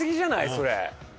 それ。